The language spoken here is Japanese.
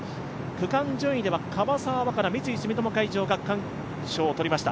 区間順位では樺沢和佳奈、三井住友海上が区間賞を取りました。